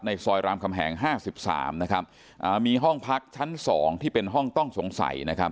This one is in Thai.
ซอยรามคำแหงห้าสิบสามนะครับอ่ามีห้องพักชั้นสองที่เป็นห้องต้องสงสัยนะครับ